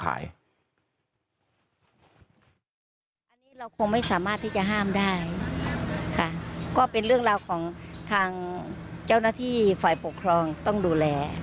ก็เป็นเรื่องครับของต้องดูแล